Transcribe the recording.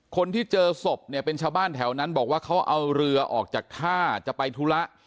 คนที่เจอศพเนี่ยเป็นชาวบ้านแถวนั้นบอกว่าเขาเอาเรือออกจากท่าจะไปธุระ